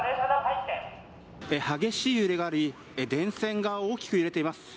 激しい揺れがあり、電線が大きく揺れています。